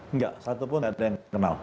enggak satu pun nggak ada yang kenal